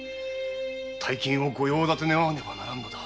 大金をご用立て願わねばならぬのだ。